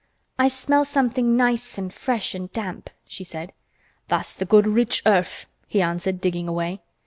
"I smell something nice and fresh and damp," she said. "That's th' good rich earth," he answered, digging away.